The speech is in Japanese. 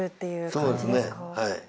そうですねはい。